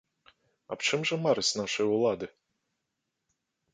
Аб чым жа мараць нашыя улады?